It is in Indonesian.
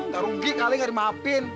gak rugi kali gak dimahapin